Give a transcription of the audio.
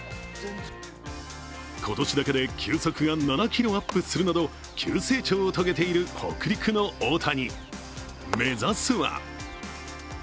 今年だけで球速が７キロアップするなど、急成長を遂げている北陸の大谷。